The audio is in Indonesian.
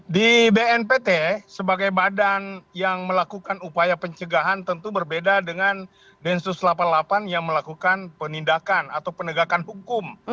di bnpt sebagai badan yang melakukan upaya pencegahan tentu berbeda dengan densus delapan puluh delapan yang melakukan penindakan atau penegakan hukum